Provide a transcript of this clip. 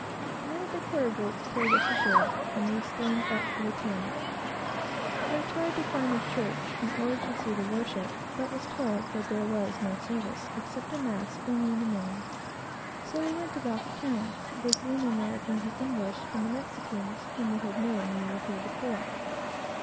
One of the quarter boats pulled us ashore, and we steamed up to the town. I tried to find the church, in order to see the worship, but was told that there was no service, except a mass early in the morning; so we went about the town, visiting the Americans and English, and the natives whom we had known when we were here before.